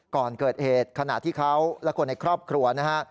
ก่อนเกิดเหตุขณะที่เขาและคนในครอบครัวนะฮะ